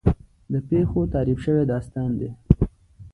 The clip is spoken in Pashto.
د پېښو تحریف شوی داستان دی.